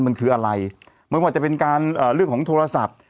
มันคืออะไรไม่ว่าจะเป็นการเรื่องของโทรศัพท์